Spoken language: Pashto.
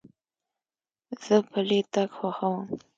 زه پلي تګ خوښوم.